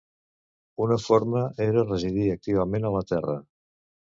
Una forma era residir activament a la terra.